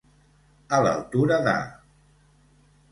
A l'altura de.